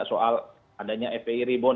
soal adanya fbi ribon